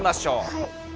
はい。